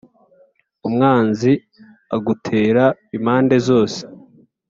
Umwanzi agutera impande zose